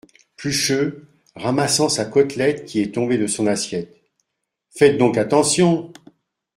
Plucheux , ramassant sa côtelette qui est tombée de son assiette. — Faites donc attention !